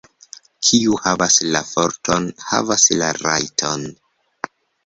Kiu havas la forton, havas la rajton.